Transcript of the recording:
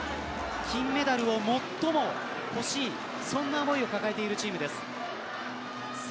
金メダルを最も欲しいそんな思いを抱えているチームです。